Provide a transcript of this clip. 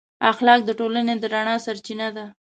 اخلاق د ټولنې د رڼا سرچینه ده.